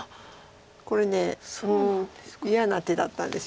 これ嫌な手だったんです